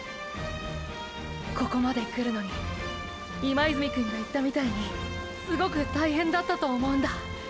ここまで来るのに今泉くんが言ったみたいにすごく大変だったと思うんだ。